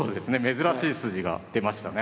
珍しい筋が出ましたね。